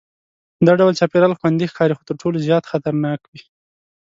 دا ډول چاپېریال خوندي ښکاري خو تر ټولو زیات خطرناک وي.